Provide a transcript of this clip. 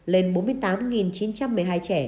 lên bốn mươi tám chín trăm một mươi hai trẻ